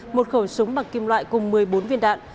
một khẩu súng bằng kim loại cùng một mươi bốn viên đạn